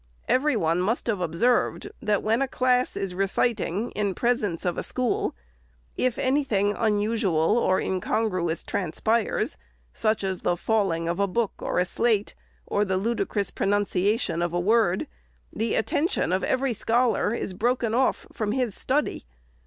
Every one must have observed, that when a class is reciting in presence of a school, if any thing unusual or incongruous transpires, such as the falling of a book or slate, or the ludicrous pronunciation of a word, the attention of every scholar is broken off from his study.